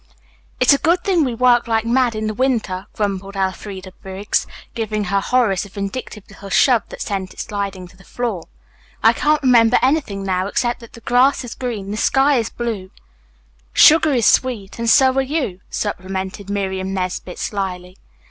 "It's a good thing we work like mad in the winter," grumbled Elfreda Briggs, giving her Horace a vindictive little shove that sent it sliding to the floor. "I can't remember anything now, except that the grass is green, the sky is blue " "Sugar is sweet, and so are you," supplemented Miriam Nesbit slyly.